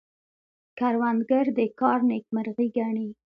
کروندګر د کار نیکمرغي ګڼي